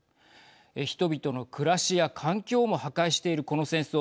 人々の暮らしや環境をも破壊しているこの戦争。